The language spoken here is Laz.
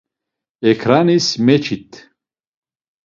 Ekranis meçit.